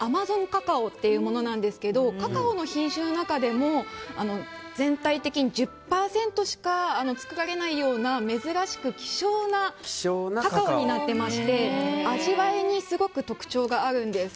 カカオというものなんですがカカオの品種の中でも全体的に１０％しか作られないような珍しく希少なカカオになっていまして味わいにすごく特徴があるんです。